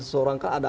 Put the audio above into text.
seseorang kan ada